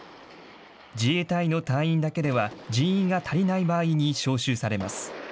自衛隊の隊員だけでは人員が足りない場合に招集されます。